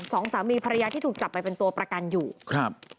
สองสามีภรรยาที่ถูกจับไปเป็นตัวประกันอยู่ครับ